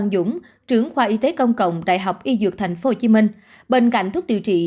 ông dũng trưởng khoa y tế công cộng đại học y dược tp hcm bệnh cạnh thuốc điều trị